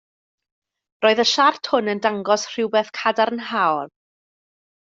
Roedd y siart hwn yn dangos rhywbeth cadarnhaol.